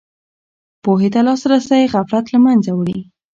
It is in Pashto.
پوهې ته لاسرسی غفلت له منځه وړي.